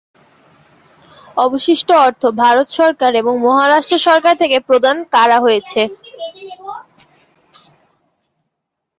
অবশিষ্ট অর্থ ভারত সরকার এবং মহারাষ্ট্র সরকার থেকে প্রদান কারা হয়েছে।